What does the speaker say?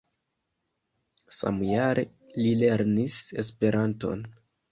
Samjare li lernis Esperanton.